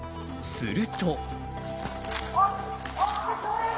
すると。